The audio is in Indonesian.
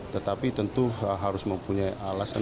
tetapi tentu harus mempunyai alasan